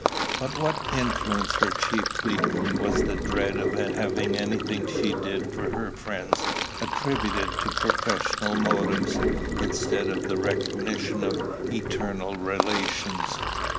But what influenced her chiefly was the dread of having anything she did for her friends attributed to professional motives, instead of the recognition of eternal relations.